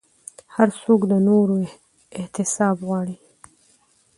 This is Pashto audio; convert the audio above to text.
هر څوک د نورو احتساب غواړي